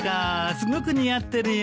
すごく似合ってるよ。